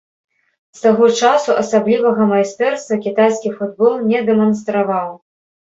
З таго часу асаблівага майстэрства кітайскі футбол не дэманстраваў.